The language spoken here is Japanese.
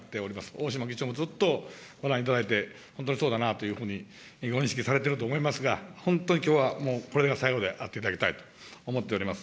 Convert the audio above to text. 大島議長もずっとご覧いただいて、本当にそうだなというふうにご認識されていると思いますが、本当にきょうはもう、これが最後であっていただきたいと思っております。